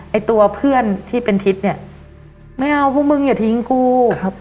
ไอ้ตัวเพื่อนที่เป็นทิศเนี่ยไม่เอาพวกมึงอย่าทิ้งกูครับ